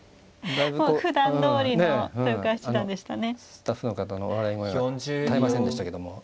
スタッフの方の笑い声が絶えませんでしたけども。